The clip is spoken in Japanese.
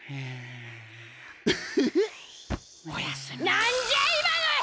なんじゃい！